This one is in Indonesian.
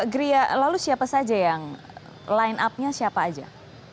gria lalu siapa saja yang line up nya siapa aja